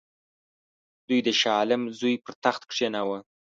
دوی د شاه عالم زوی پر تخت کښېناوه.